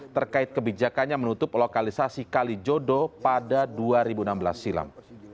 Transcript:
terkait kebijakannya menutup lokalisasi kalijodo pada dua ribu enam belas silam